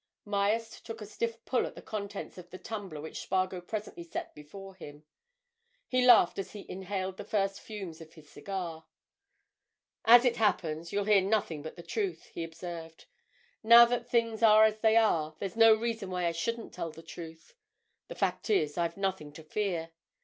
Myerst took a stiff pull at the contents of the tumbler which Spargo presently set before him. He laughed as he inhaled the first fumes of his cigar. "As it happens, you'll hear nothing but the truth," he observed. "Now that things are as they are, there's no reason why I shouldn't tell the truth. The fact is, I've nothing to fear.